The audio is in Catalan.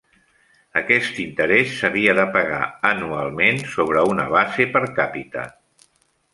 Aquest interès s'havia de pagar anualment sobre una base per càpita.